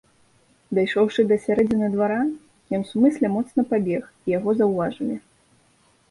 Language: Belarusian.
Дайшоўшы да сярэдзіны двара, ён сумысля моцна пабег, і яго заўважылі.